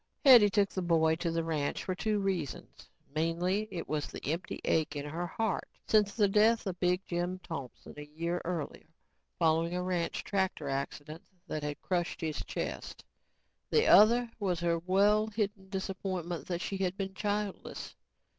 Hetty took the boy to the ranch for two reasons. Mainly it was the empty ache in her heart since the death of Big Jim Thompson a year earlier following a ranch tractor accident that had crushed his chest. The other was her well hidden disappointment that she had been childless.